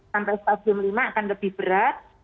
sampai stadium lima akan lebih berat